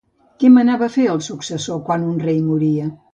Què manava fer el successor quan un rei moria?